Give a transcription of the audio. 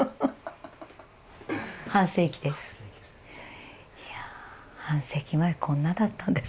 半世紀です。